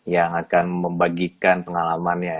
yang akan membagikan pengalamannya